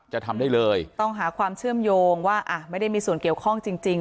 จะทำได้เลยต้องหาความเชื่อมโยงว่าอ่ะไม่ได้มีส่วนเกี่ยวข้องจริงจริง